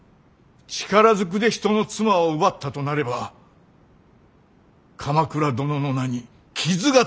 力ずくで人の妻を奪ったとなれば鎌倉殿の名に傷がつきます。